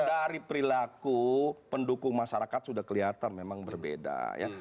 dari perilaku pendukung masyarakat sudah kelihatan memang berbeda ya